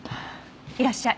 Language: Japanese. いらっしゃい。